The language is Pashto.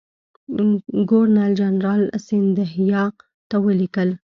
ګورنرجنرال سیندهیا ته ولیکل.